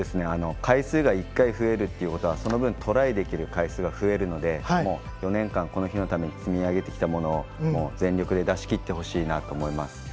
回数が１回増えるということはその分トライできる回数が増えるので４年間この日のために積み上げてきたことを全力で出しきってほしいです。